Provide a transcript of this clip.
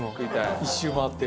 １周回って。